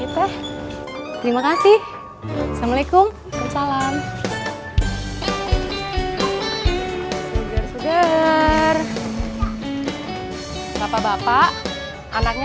teh mau sugernya